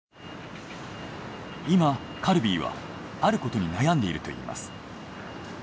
今カルビーはあることに悩んでいるといいます。